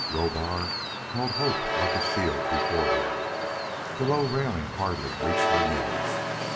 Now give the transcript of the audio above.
Rohbar held Hope like a shield before him. The low railing hardly reached her knees.